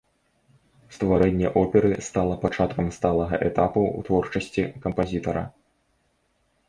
Стварэнне оперы стала пачаткам сталага этапу ў творчасці кампазітара.